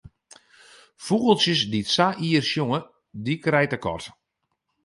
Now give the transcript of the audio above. Fûgeltsjes dy't sa ier sjonge, dy krijt de kat.